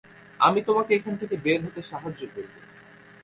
আমি তোমাকে এখান থেকে বের হতে সাহায্য করবো।